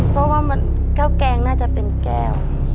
เพราะว่าข้าวแกงน่าจะเป็นแก้ว